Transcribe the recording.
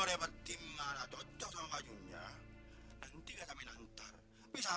tapi mau jual